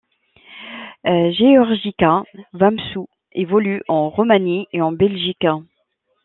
Georgică Vameșu évolue en Roumanie et en Belgique.